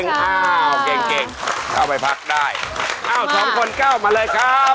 หานุมร์ทำหน้าที่อะไรอยู่แนะนำเลย